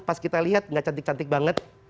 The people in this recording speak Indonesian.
pas kita lihat gak cantik cantik banget